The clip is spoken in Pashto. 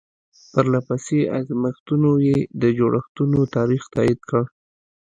پرله پسې ازمایښتونو یې د جوړښتونو تاریخ تایید کړ.